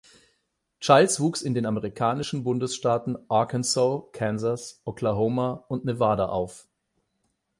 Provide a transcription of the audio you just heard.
Childs wuchs in den amerikanischen Bundesstaaten Arkansas, Kansas, Oklahoma und Nevada auf.